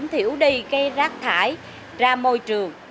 không thiểu đi rác thải ra môi trường